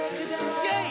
イェイ！